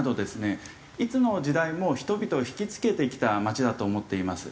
いつの時代も人々を引きつけてきた街だと思っています。